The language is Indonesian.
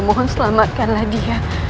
mohon selamatkanlah dia